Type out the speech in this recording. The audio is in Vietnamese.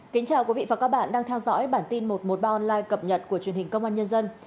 kính chào quý vị và các bạn đang theo dõi bản tin một trăm một mươi ba online cập nhật của truyền hình công an nhân dân